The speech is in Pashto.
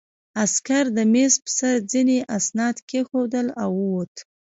عسکر د مېز په سر ځینې اسناد کېښودل او ووت